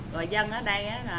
rồi dân ở đây